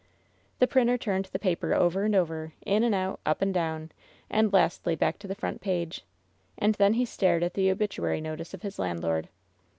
The printer turned the paper over and over, in and out, up and down, and, lastly, back to the front page; and then he stared at the obituary notice of his landlord.